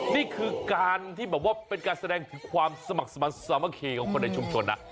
นี่คือการที่เป็นการแสดงความสมัครสามัคคีของคนในชุมชน